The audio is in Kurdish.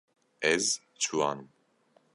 Ez ciwan im.